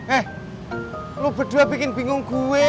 eh lo berdua bikin bingung gue